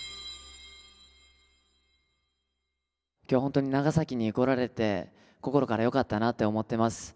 今日は本当に長崎に来られて心からよかったなって思ってます。